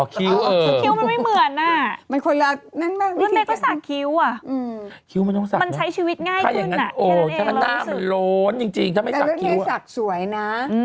ทำไมสักคิ้วอ่ะอื้อแต่เรื่องนี้สักสวยนะ